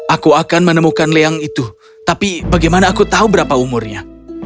aku akan menemukan leang itu tapi bagaimana aku tahu berapa umurnya